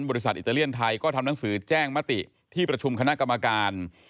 อิตาเลียนไทยก็ทำหนังสือแจ้งมติที่ประชุมคณะกรรมการ